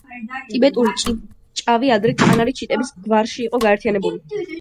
ტიბეტური ჭივჭავი ადრე კანარის ჩიტების გვარში იყო გაერთიანებული.